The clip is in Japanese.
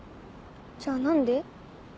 じゃあ何で？